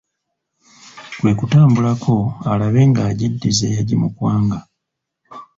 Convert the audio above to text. Kwe kutambulako alabe nga agiddiza eyagimukwanga.